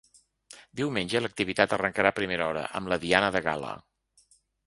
Diumenge l’activitat arrancarà a primera hora amb la diana de gala.